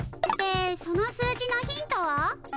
でその数字のヒントは？